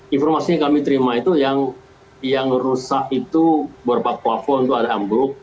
informasinya kami terima itu yang rusak itu beberapa kuafon itu ada ambruk